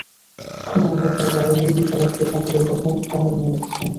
জানালার ধারে দাঁড়াইলেই বিশালাক্ষী ঠাকুরের কথা তাহার মনে ওঠে।